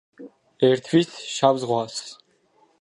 ერთვის შავ ზღვას.